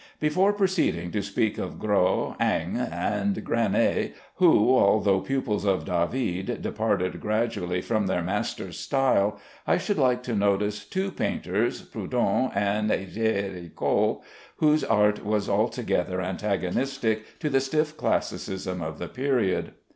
Before proceeding to speak of Gros, Ingres, and Granet, who, although pupils of David, departed gradually from their master's style, I should like to notice two painters, Prudhon and Géricault, whose art was altogether antagonistic to the stiff classicism of the period.